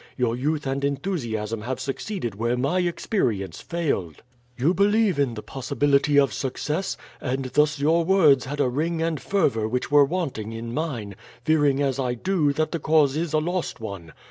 Your youth and enthusiasm have succeeded where my experience failed. You believe in the possibility of success, and thus your words had a ring and fervour which were wanting in mine, fearing as I do, that the cause is a lost one.